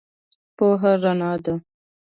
پوهه رڼا ده